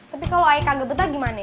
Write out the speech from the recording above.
tapi kalau ayah kagak betah gimana